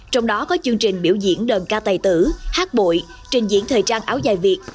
trong đó có chương trình biểu diễn đơn ca tài tử hát bội trình diễn thời trang áo dài việt